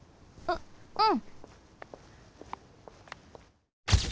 ううん。